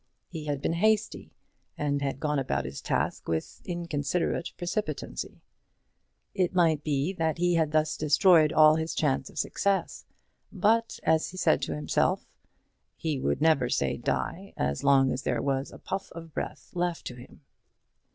He had been hasty, and had gone about his task with inconsiderate precipitancy. It might be that he had thus destroyed all his chance of success. But, as he said to himself, "he would never say die, as long as there was a puff of breath left to him."